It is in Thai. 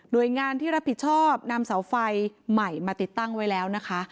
โดยงานที่รับผิดชอบนำเสาไฟใหม่มาติดตั้งไว้แล้วนะคะ